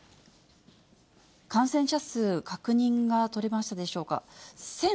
感染者数確認が取れましたでしょうか。